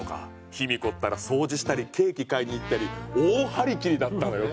「ひみこったら掃除したりケーキ買いに行ったり大はりきりだったのよ」